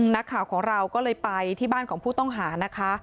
นักข่าวของเราก็เลยไปที่บ้านของผู้ต้องหานะคะ